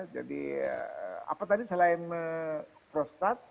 jadi apa tadi selain prostat